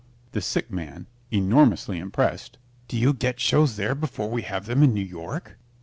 THE SICK MAN (enormously impressed) Do you get shows there before we have them in New York?